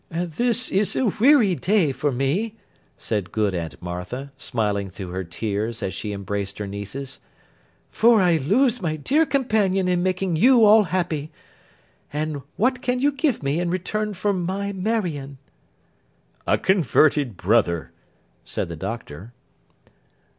'This is a weary day for me,' said good Aunt Martha, smiling through her tears, as she embraced her nieces; 'for I lose my dear companion in making you all happy; and what can you give me, in return for my Marion?' 'A converted brother,' said the Doctor.